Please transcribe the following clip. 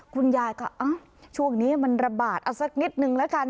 คุณยายก็ช่วงนี้มันระบาดเอาสักนิดนึงแล้วกัน